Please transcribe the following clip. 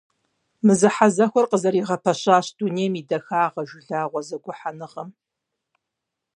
Мы зэхьэзэхуэр къызэригъэпэщащ «Дунейм и Дахагъэ» жылагъуэ зэгухьэныгъэм.